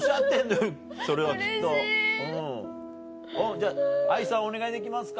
じゃああいさんお願いできますか。